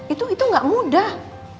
itu itu gak mudah